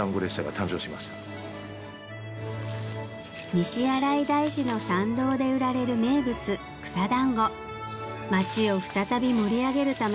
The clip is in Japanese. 西新井大師の参道で売られる名物草だんご街を再び盛り上げるため